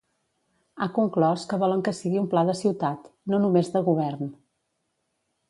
Ha conclòs que volen que sigui un pla de ciutat, no només de govern.